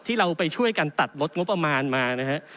ที่เราไปช่วยกันตัดลดงบประมาณมานะฮะ